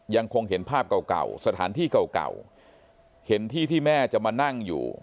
ยังคงเห็นภาพเก่าเก่าสถานที่เก่าเห็นที่ที่แม่จะมานั่งอยู่